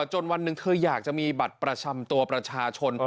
จนวันหนึ่งเธออยากจะมีบัตรประจำตัวประชาชน